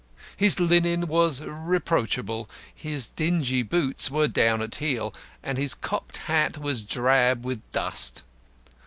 His linen was reproachable, his dingy boots were down at heel, and his cocked hat was drab with dust.